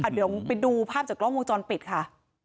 เดี๋ยวไปดูภาพจากกล้องวงจรปิดค่ะ